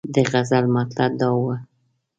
د غزل مطلع دا وه.